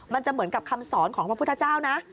มันจะเหมือนกับคำสอนของพระพุทธเจ้านะ